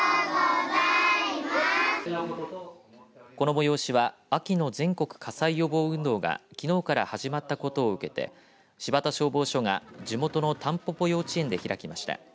この催しは秋の全国火災予防運動がきのうから始まったことを受けて柴田消防署が地元のたんぽぽ幼稚園で開きました。